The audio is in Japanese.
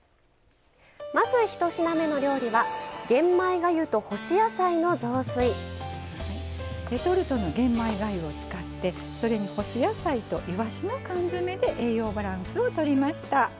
まず一品目の料理はレトルトの玄米がゆを使ってそれに干し野菜といわしの缶詰で栄養バランスをとりました。